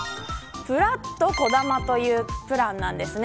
ぷらっとこだまというプランです。